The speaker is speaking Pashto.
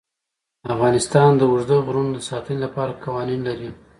افغانستان د اوږده غرونه د ساتنې لپاره قوانین لري.